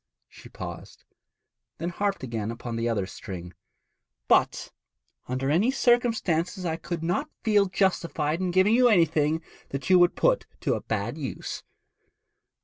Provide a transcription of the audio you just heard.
She paused, then harped again upon the other string. 'But under any circumstances I could not feel justified in giving you anything that you would put to a bad use.'